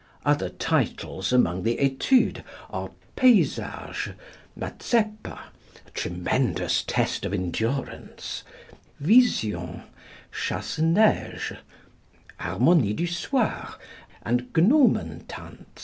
Other titles among the Études are "Paysage," "Mazeppa" (a tremendous test of endurance), "Vision," "Chasse neige," "Harmonies de Soir" and "Gnomentanz."